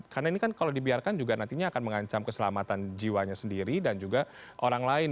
karena ini kan kalau dibiarkan juga nantinya akan mengancam keselamatan jiwanya sendiri dan juga orang lain